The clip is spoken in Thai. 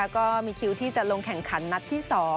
ก็มีคิวที่จะลงแข่งขันนัดที่๒